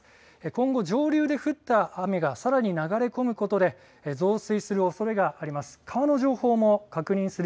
今後上流で降った雨がさらに流れ込むことで増水するおそれがあります。